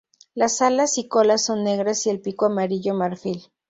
Las alas y cola son negras y el pico amarillo marfil.